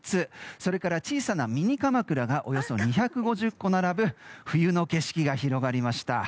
それから小さなミニかまくらがおよそ２５０個並ぶ冬の景色が広がりました。